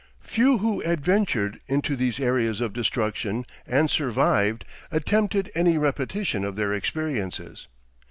Few who adventured into these areas of destruction and survived attempted any repetition of their experiences.